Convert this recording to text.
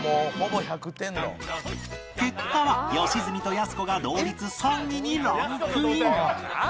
結果は良純とやす子が同率３位にランクイン